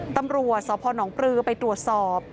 ตำรวจสพนปลือไปตรวจสอบ